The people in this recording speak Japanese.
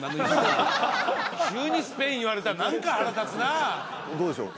急にスペイン言われたら何か腹立つなどうでしょう？